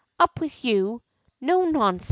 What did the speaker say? ^Up with you! No nonsense